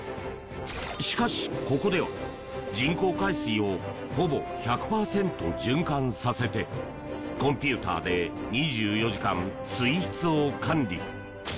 しかし、ここでは人工海水をほぼ１００％循環させてコンピューターで２４時間、水質を管理。